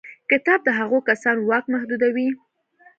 کتاب د هغو کسانو واک محدودوي.